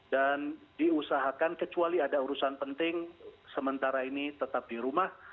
dan diusahakan kecuali ada urusan penting sementara ini tetap di rumah